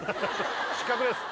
失格です。